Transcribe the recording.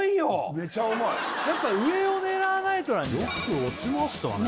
メチャ重いやっぱ上を狙わないとよく落ちましたね